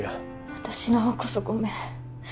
私の方こそごめん